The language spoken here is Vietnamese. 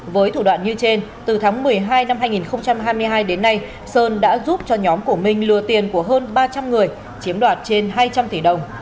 với thủ đoạn như trên từ tháng một mươi hai năm hai nghìn hai mươi hai đến nay sơn đã giúp cho nhóm của minh lừa tiền của hơn ba trăm linh người chiếm đoạt trên hai trăm linh tỷ đồng